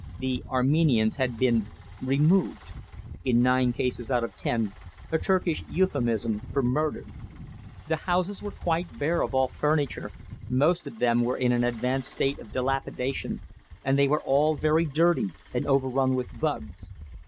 The Armenians had been "removed" in nine cases out of ten a Turkish euphemism for murdered. The houses were quite bare of all furniture, most of them were in an advanced state of dilapidation, and they were all very dirty and overrun with bugs.